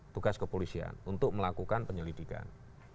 tugas kepolisian untuk melakukan penyelidikan